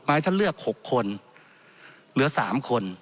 ให้ท่านเลือก๖คนเหลือ๓คน